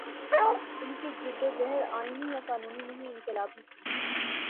ان کی جد وجہد آئینی یا قانونی نہیں، انقلابی تھی۔